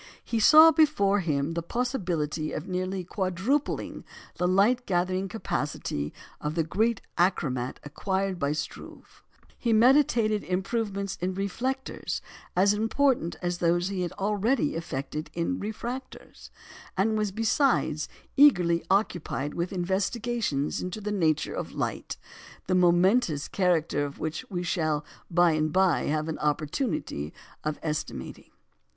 He saw before him the possibility of nearly quadrupling the light gathering capacity of the great achromatic acquired by Struve; he meditated improvements in reflectors as important as those he had already effected in refractors; and was besides eagerly occupied with investigations into the nature of light, the momentous character of which we shall by and by have an opportunity of estimating.